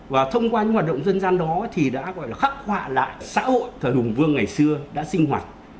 và thông qua những hoạt động dân gian đó thì đã khắc họa lại xã hội thờ hùng vương ngày xưa đã sinh hoạt